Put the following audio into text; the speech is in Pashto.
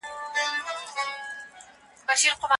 باید د هر ډول ناروغۍ په لومړیو نښو کې ډاکټر ته مراجعه وکړو.